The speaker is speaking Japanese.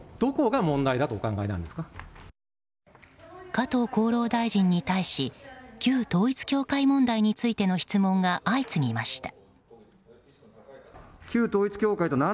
加藤厚労大臣に対し旧統一教会問題についての質問が相次ぎました。